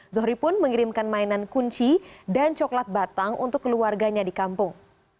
zohri pun mengirimkan mainan kunci dan coklat batang untuk keluarganya di kampung